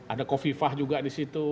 ada kofifah juga di situ